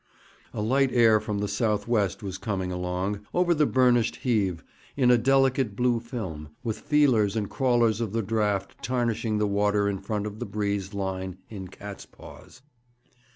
A light air from the south west was coming along, over the burnished heave, in a delicate blue film, with feelers and crawlers of the draught tarnishing the water in front of the breeze line in catspaws.